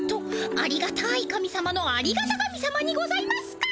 ありがたい神様のありがた神様にございますか！